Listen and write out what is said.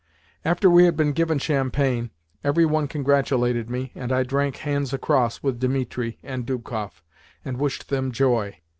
After we had been given champagne, every one congratulated me, and I drank "hands across" with Dimitri and Dubkoff, and wished them joy.